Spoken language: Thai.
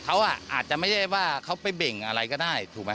เขาอาจจะไม่ได้ว่าเขาไปเบ่งอะไรก็ได้ถูกไหม